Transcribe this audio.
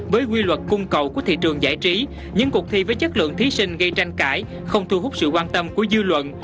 với quy luật cung cầu của thị trường giải trí những cuộc thi với chất lượng thí sinh gây tranh cãi không thu hút sự quan tâm của dư luận